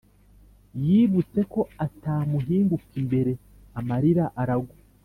yibutse ko atamuhinguka imbere amarira aragwa